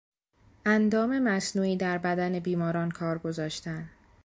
اندام مصنوعی در بدن بیماران کار گذاشتن